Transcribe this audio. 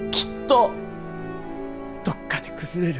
どっかで崩れる。